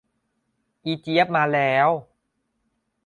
อีเจี๊ยบมาแล้ว